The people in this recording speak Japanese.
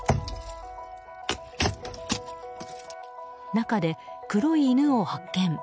中で黒い犬を発見。